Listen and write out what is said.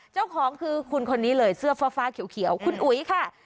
เจ้าของคือคุณคนนี้เลยเสื้อฟ้าเขียวคุณอุ๋ยค่ะ